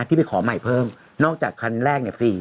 ที่ไปขอใหม่เพิ่มนอกจากคันแรกเนี่ยฟรี